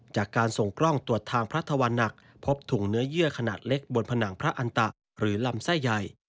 จากการส่งกล้องตรวจทางพระธวรรณหนักพบถุงเนื้อเยื่อขนาดเล็กบนผนังพระอันตะหรือลำไส้ใหญ่